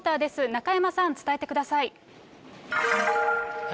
中山さん、伝えてください。